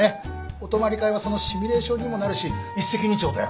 お泊まり会はそのシミュレーションにもなるし一石二鳥だよ。